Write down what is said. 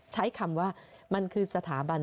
ใช้คำว่ามันคือสถาบัน